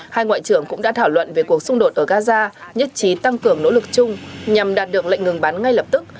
hai ngoại trưởng cũng đã thảo luận về cuộc xung đột ở gaza nhất trí tăng cường nỗ lực chung nhằm đạt được lệnh ngừng bắn ngay lập tức